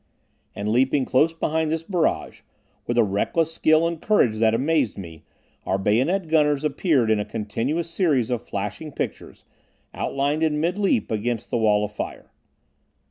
And, leaping close behind this barrage, with a reckless skill and courage that amazed me, our bayonet gunners appeared in a continuous series of flashing pictures, outlined in midleap against the wall of fire.